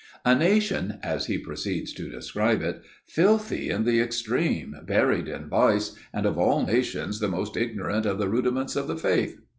"A nation" as he proceeds to describe it, "filthy in the extreme, buried in vice, and of all nations the most ignorant of the rudiments of the faith."